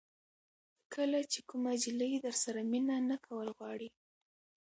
کله چې کومه جلۍ درسره مینه نه کول غواړي.